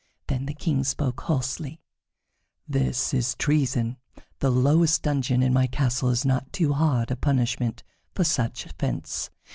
Then the King spoke hoarsely: "This is treason. The lowest dungeon in my castle is not too hard a punishment for such offense.